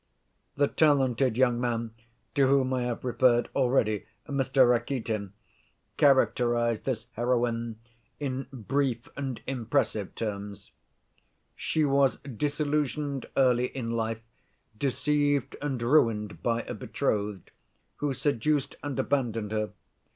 "The talented young man, to whom I have referred already, Mr. Rakitin, characterized this heroine in brief and impressive terms: 'She was disillusioned early in life, deceived and ruined by a betrothed, who seduced and abandoned her.